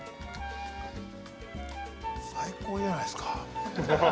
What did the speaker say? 最高じゃないですか。